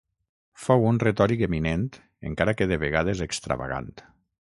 Fou un retòric eminent encara que de vegades extravagant.